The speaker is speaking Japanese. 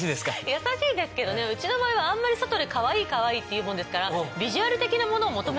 優しいですけどねうちの場合はあんまり外で「かわいいかわいい」って言うもんですから。